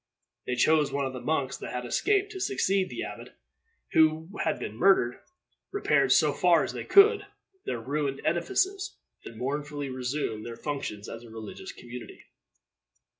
They chose one of the monks that had escaped to succeed the abbot who had been murdered, repaired, so far as they could, their ruined edifices, and mournfully resumed their functions as a religious community.